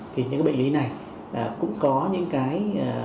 thì những bệnh lý này cũng có những cái